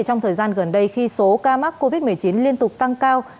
trong thời gian gần đây khi số ca mắc covid một mươi chín liên tục tăng cao